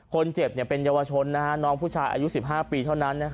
คนเจ็บเป็นเยาวชนน้องผู้ชายอายุ๑๕ปีเท่านั้น